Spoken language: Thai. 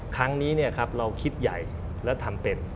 ครั้งนี้เราคิดใหญ่และทำเป็น